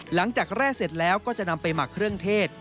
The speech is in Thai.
แร่เสร็จแล้วก็จะนำไปหมักเครื่องเทศ